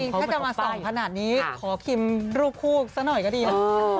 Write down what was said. ถ้าจะมาส่องขนาดนี้ขอคิมรูปคู่ซะหน่อยก็ดีนะ